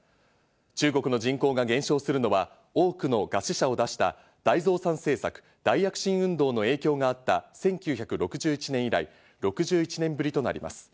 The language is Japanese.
中国の人口が減少するのは多くの餓死者を出した大増産政策・大躍進運動の影響があった１９６１年以来、６１年ぶりとなります。